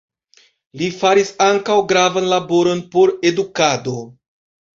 Li faris ankaŭ gravan laboron por edukado.